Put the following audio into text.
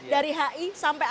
dari hi sampai ay